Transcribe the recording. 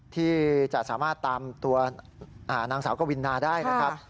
ที่จะสามารถตามตัวนางสาวกวินาได้นะครับ